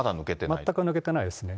全く抜けてないですね。